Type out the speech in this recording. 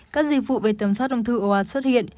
các dịch vụ về tầm soát ung thư ồ ạt xuất hiện